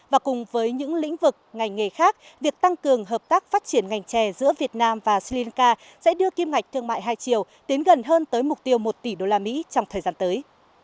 và cùng với những lĩnh vực ngành nghề khác việc tăng cường hợp tác phát triển ngành chè giữa việt nam và sri lanka sẽ đưa kim ngạch thương mại hai triệu tiến gần hơn tới mục tiêu một tỷ usd trong thời gian tới